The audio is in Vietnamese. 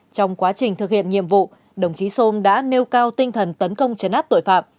trong quá trình thực hiện nhiệm vụ đồng chí sôm đã nêu cao tinh thần tấn công chấn áp tội phạm